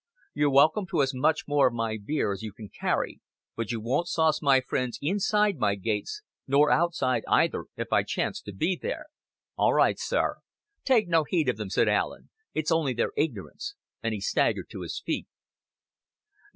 You're welcome to as much more of my beer as you can carry, but you won't sauce my friends inside my gates nor outside, either, if I chance to be there." "Aw right, sir." "Take no heed of them," said Allen. "It is only their ignorance;" and he staggered to his feet.